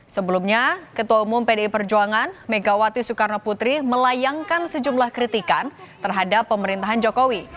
sebelumnya ketua umum pdi perjuangan megawati soekarno putri melayangkan sejumlah kritikan terhadap pemerintahan jokowi